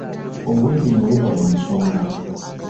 Obwediimo buba bwa nsonga.